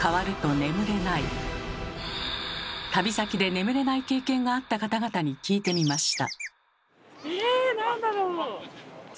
旅先で眠れない経験があった方々に聞いてみました